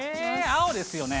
青ですよね。